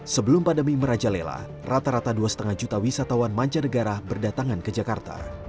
sebelum pandemi merajalela rata rata dua lima juta wisatawan mancanegara berdatangan ke jakarta